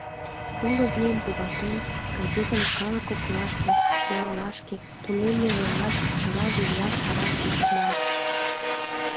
Уло вийым погалтен, газетым калык коклашке: яллашке, тунемме верлашке — чыла вереат шараш тӧчыман.